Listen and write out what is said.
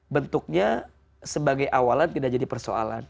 bentuknya sebagai awalan tidak jadi persoalan